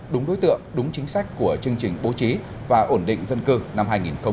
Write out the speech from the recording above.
đúng đối tượng đúng chính sách của chương trình bố trí và ổn định dân cư năm hai nghìn một mươi chín